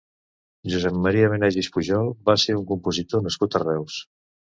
Josep Maria Benaiges Pujol va ser un compositor nascut a Reus.